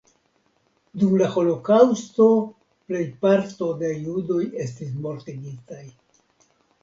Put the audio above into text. Dum la holokaŭsto plejparto de judoj estis mortigitaj.